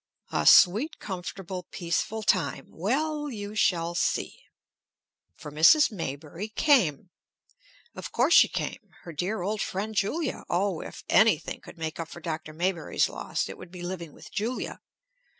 A sweet, comfortable, peaceful time! Well; you shall see. For Mrs. Maybury came; of course she came. Her dear, old friend Julia! Oh, if anything could make up for Dr. Maybury's loss, it would be living with Julia!